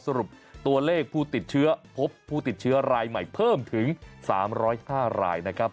สรุปตัวเลขผู้ติดเชื้อพบผู้ติดเชื้อรายใหม่เพิ่มถึง๓๐๕รายนะครับ